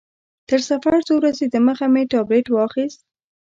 تر سفر څو ورځې دمخه مې ټابلیټ واخیست.